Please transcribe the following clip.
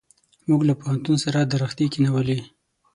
موږ له پوهنتون سره درختي کښېنولې.